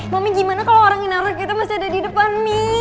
mami gimana kalo orang ini masih ada di depan mi